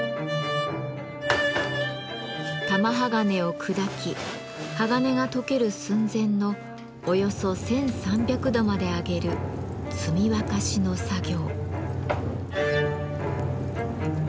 玉鋼を砕き鋼が溶ける寸前のおよそ１，３００度まで上げる積沸しの作業。